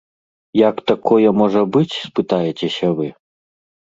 Як такое можа быць, спытаецеся вы?